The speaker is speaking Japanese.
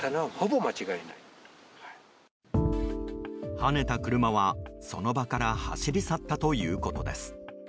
はねた車は、その場から走り去ったということです。